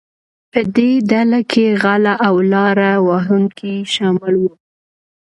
په دې ډله کې غلۀ او لاره وهونکي شامل وو.